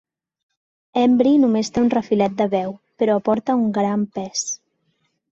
Embry només té un refilet de veu, però aporta un gran pes.